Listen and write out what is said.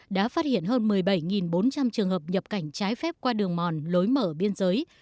đã phát hiện hơn một mươi bảy bốn trăm linh trường hợp nhập cảnh trái phép qua đường mòn lối mở biên giới